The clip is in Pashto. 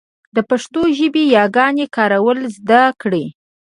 د پښتو ژبې ياګانو کارول زده کړئ.